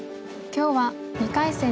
今日は２回戦